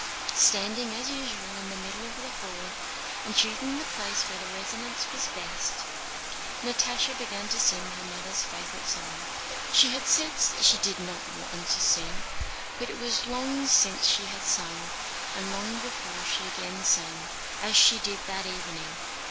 Standing as usual in the middle of the hall and choosing the place where the resonance was best, Natásha began to sing her mother's favorite song. She had said she did not want to sing, but it was long since she had sung, and long before she again sang, as she did that evening.